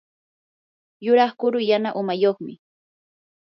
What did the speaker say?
yuraq kuru yana umayuqmi.